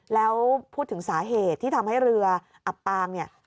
แล้วพูดถึงสาเหตุที่ทำให้เรืออับปางเนี่ย